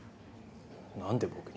何で僕に？